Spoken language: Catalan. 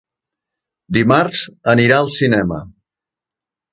Dimarts anirà al cinema.